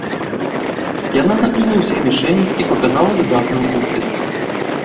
Яна закрыла ўсе мішэні і паказала выдатную хуткасць.